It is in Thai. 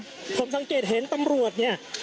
ผมสังเกตเห็นตำรวจเนี่ย